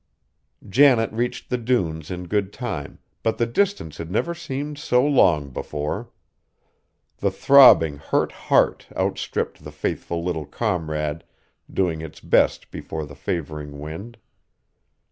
Janet reached the dunes in good time, but the distance had never seemed so long before. The throbbing, hurt heart outstripped the faithful little Comrade doing its best before the favoring wind.